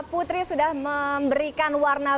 putri sudah memberikan warna